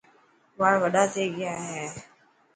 واڙ وڏا ٿي گيا هي.